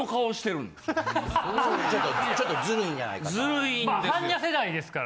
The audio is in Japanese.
ちょっとずるいんじゃないかと。